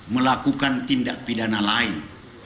melakukan tindak pidana lain